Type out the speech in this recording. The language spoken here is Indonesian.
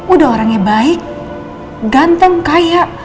udah orangnya baik ganteng kaya